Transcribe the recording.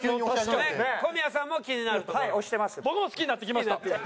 僕も好きになってきました。